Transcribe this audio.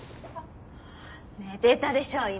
寝てたでしょ今。